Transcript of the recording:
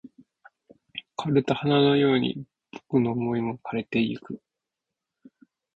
枯れた花のように僕の想いも枯れ果ててゆく